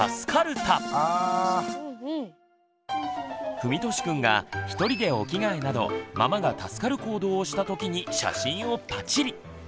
ふみとしくんが一人でお着替えなどママが助かる行動をしたときに写真をパチリ！